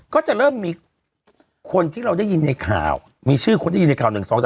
ก็จะเริ่มมีคนที่เราได้ยินในข่าวมีชื่อคนได้ยินในข่าว๑๒๓